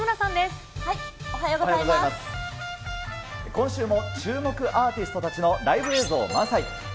今週も注目アーティストたちのライブ映像満載。